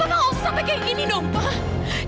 pak pak gak usah sampai kayak gini dong pak